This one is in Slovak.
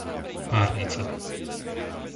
Párnica